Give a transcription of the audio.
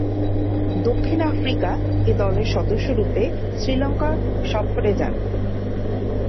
দক্ষিণ Africa A দলের সদস্যরূপে শ্রীলঙ্কা সফরে যান।